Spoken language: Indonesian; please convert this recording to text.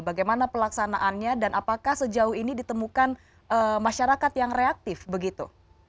bagaimana pelaksanaannya dan apakah sejauh ini ditemukan masyarakat yang reaktif begitu